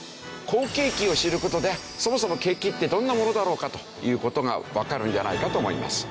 好景気を知る事でそもそも景気ってどんなものだろうかという事がわかるんじゃないかと思います。